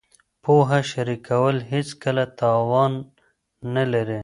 پوهه شریکول هېڅکله تاوان نه لري.